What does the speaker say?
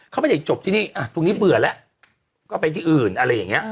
เขาไม่ได้จบที่นี่ตรงนี้เบื่อแล้วก็ไปที่อื่นอะไรอย่างนี้